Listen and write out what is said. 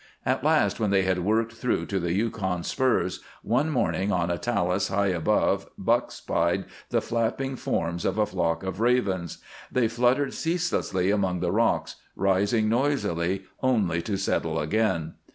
At last, when they had worked through to the Yukon spurs, one morning on a talus high above Buck spied the flapping forms of a flock of ravens. They fluttered ceaselessly among the rocks, rising noisily, only to settle again.